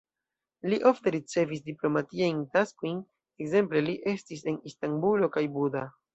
Li ofte ricevis diplomatiajn taskojn, ekzemple li estis en Istanbulo kaj Buda.